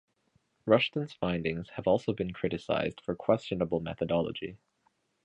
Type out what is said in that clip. Rushton's findings have also been criticized for questionable methodology.